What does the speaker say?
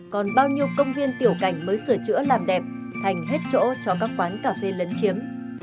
còn bao nhiêu công viên tiểu cảnh mới sửa chữa làm đẹp thành hết chỗ cho các quán cà phê lấn chiếm